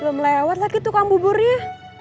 belum lewat lagi tukang buburnya